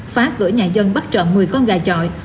phá cửa nhà dân bắt trộm một mươi con gà chọi